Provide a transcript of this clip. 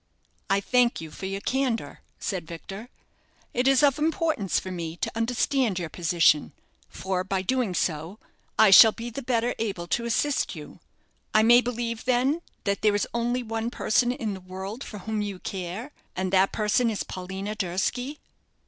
"I thank you for your candour," said Victor. "It is of importance for me to understand your position, for, by so doing, I shall be the better able to assist you. I may believe, then, that there is only one person in the world for whom you care, and that person is Paulina Durski?"